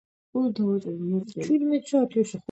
გავრცელებულნი არიან სამხრეთ-აღმოსავლეთ აზიაში.